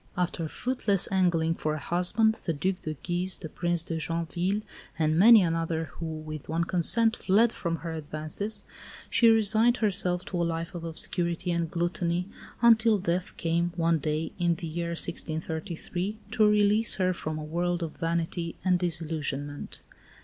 After fruitless angling for a husband the Duc de Guise, the Prince de Joinville, and many another who, with one consent, fled from her advances, she resigned herself to a life of obscurity and gluttony, until death came, one day in the year 1633, to release her from a world of vanity and disillusionment.